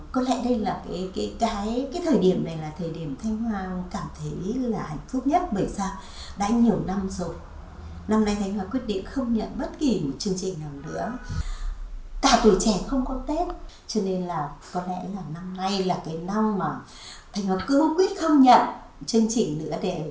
có lẽ là năm nay là cái năm mà thành công quyết không nhận chương trình nữa để nhà chuẩn bị được tết từ ngay từ bây giờ